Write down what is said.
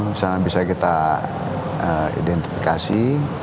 misalnya bisa kita identifikasi